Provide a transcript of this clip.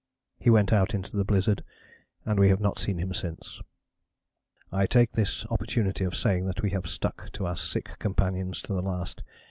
He went out into the blizzard and we have not seen him since. "I take this opportunity of saying that we have stuck to our sick companions to the last.